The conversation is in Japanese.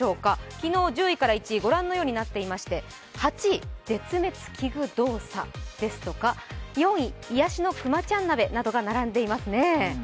昨日、１０位から１位、御覧のようになってまして８位、絶滅危惧動作ですとか、４位、癒しのくまちゃん鍋などが並んでいますね。